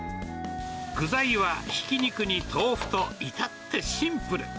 具材は、ひき肉に豆腐と、至ってシンプル。